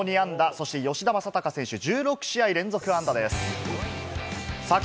そして吉田正尚選手、１６試合連続安打です。